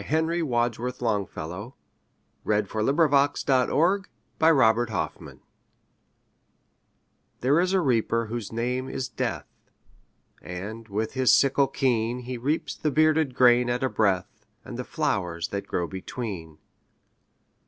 Henry Wadsworth Longfellow The Reaper And The Flowers THERE is a Reaper whose name is Death, And, with his sickle keen, He reaps the bearded grain at a breath, And the flowers that grow between.